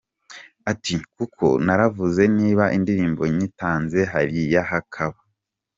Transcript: Ati kuko naravuze niba indirimbo nyitanze hariya hakaba.